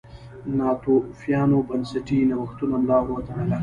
ناتوفیانو بنسټي نوښتونو ملا ور وتړله.